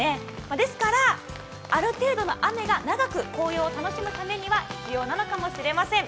ですからある程度の雨が長く紅葉を楽しむためには必要なのかもしれません。